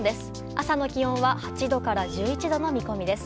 朝の気温は８度から１１度の見込みです。